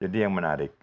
jadi yang menarik